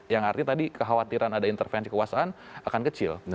yang artinya tadi kekhawatiran ada intervensi kekuasaan akan kecil